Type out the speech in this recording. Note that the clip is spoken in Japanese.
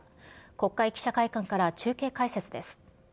国会記者会館から中継解説です。